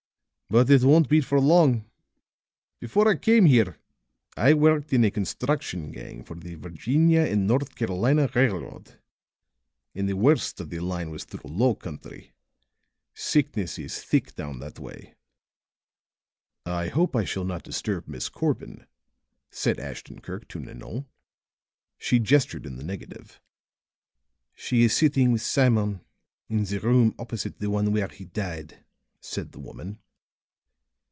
"But it won't be for long. Before I came here I worked in a construction gang for the Virginia and North Carolina Railroad and the worst of the line was through low country. Sickness is thick down that way." "I hope I shall not disturb Miss Corbin," said Ashton Kirk to Nanon. She gestured in the negative. "She is sitting with Simon in the room opposite the one where he died," said the woman.